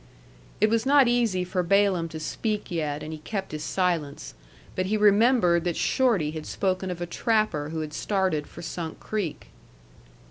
It was not easy for Balaam to speak yet, and he kept his silence. But he remembered that Shorty had spoken of a trapper who had started for Sunk Creek.